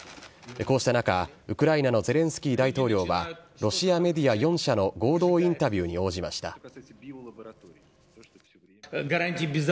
こうした中、ウクライナのゼレンスキー大統領は、ロシアメディア４社の合同インタビューに応じました。